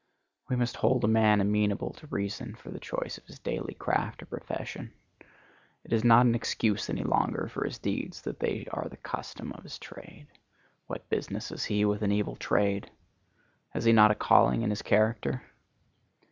We must hold a man amenable to reason for the choice of his daily craft or profession. It is not an excuse any longer for his deeds that they are the custom of his trade. What business has he with an evil trade? Has he not a calling in his character?